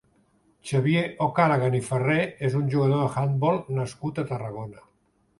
Xavier O'Callaghan i Ferrer és un jugador d'handbol nascut a Tarragona.